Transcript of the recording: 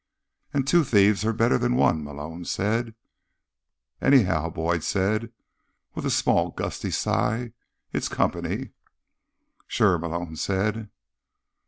"And two thieves are better than one," Malone said. "Anyhow," Boyd said with a small, gusty sigh, "it's company." "Sure," Malone said.